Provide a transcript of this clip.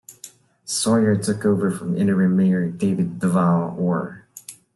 Sawyer took over from interim mayor David Duvall Orr.